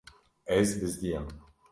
Ez bizdiyam.